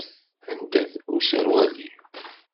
Anda-t userwal-iw?